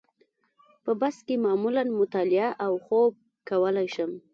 په بس کې معمولاً مطالعه او خوب کولای شم.